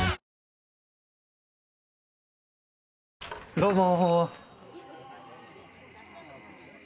どうも。